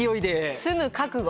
住む覚悟？